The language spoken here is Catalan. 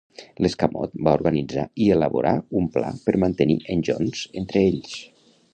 L"escamot va organitzar i elaborar un pla per mantenir en Jones entre ells.